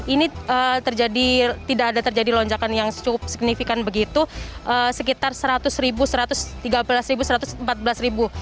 ini tidak ada terjadi lonjakan yang cukup signifikan begitu sekitar seratus ribu satu ratus tiga belas satu ratus empat belas ribu